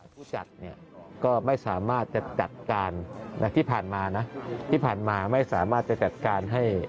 ผู้จัดไม่สามารถจัดการที่ผ่านมาไม่สามารถจะจัดการ